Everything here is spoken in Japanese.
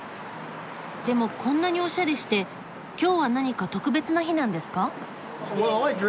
でもこんなにおしゃれして今日は何か特別な日なんですか？